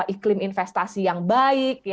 iklim investasi yang baik